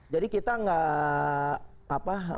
jadi kita nggak